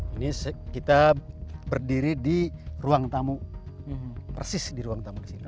ini kita berdiri di ruang tamu persis di ruang tamu di sini